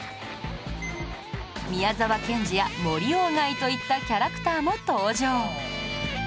宮沢賢治や森鴎外といったキャラクターも登場